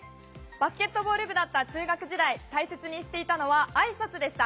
バスケットボール部だった中学時代大切にしていたのはあいさつでした。